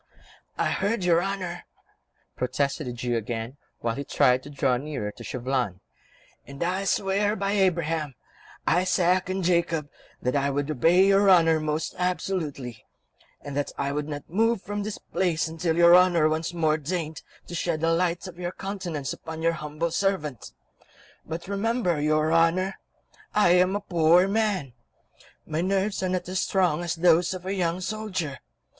"I heard your Honour," protested the Jew again, while he tried to draw nearer to Chauvelin, "and I swear by Abraham, Isaac and Jacob that I would obey your Honour most absolutely, and that I would not move from this place until your Honour once more deigned to shed the light of your countenance upon your humble servant; but remember, your Honour, I am a poor old man; my nerves are not as strong as those of a young soldier.